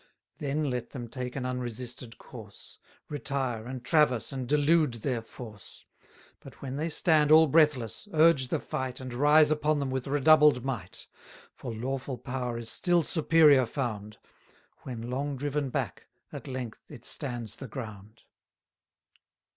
Then let them take an unresisted course; 1020 Retire, and traverse, and delude their force; But when they stand all breathless, urge the fight, And rise upon them with redoubled might For lawful power is still superior found; When long driven back, at length it stands the ground.